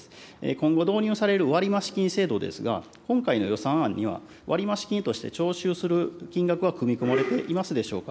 今後導入される割増金制度ですが、今回の予算案には、割増金として徴収する金額は組み込まれていますでしょうか。